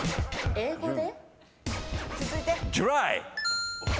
英語で？